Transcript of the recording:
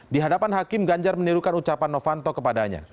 di hadapan hakim ganjar menirukan ucapan novanto kepadanya